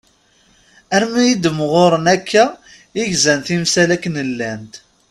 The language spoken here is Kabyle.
Almi i d-mɣuren akka i gzan timsal akken llant.